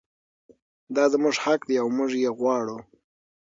دا زموږ حق دی او موږ یې غواړو.